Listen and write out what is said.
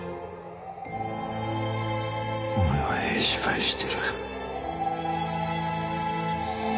お前はええ芝居してる。